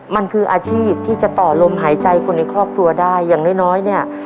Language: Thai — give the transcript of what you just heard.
มันคืออาชีพที่จะต่อลมหายใจคนในครอบครัวได้อย่างน้อยเนี่ย